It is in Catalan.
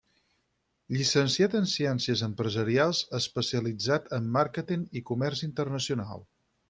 Llicenciat en Ciències Empresarials especialitzat en màrqueting i comerç internacional.